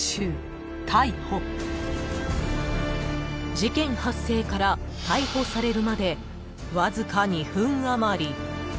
［事件発生から逮捕されるまでわずか２分余り］